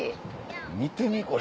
見てみこれ。